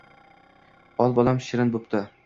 Ol, bolam, shirin bo‘pti.